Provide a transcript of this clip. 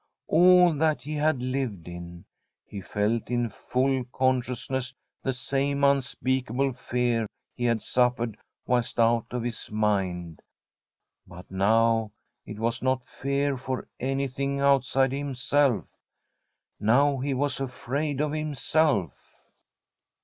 All that he had lived in. He felt in full consciousness the same unspeakable fear he had suffered whilst out of his mind. But now it was not fear for anything outside himself — now he was afraid of himself.